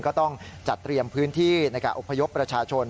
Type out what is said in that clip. ก็ต้องจัดเตรียมพื้นที่ในการอบพยพประชาชน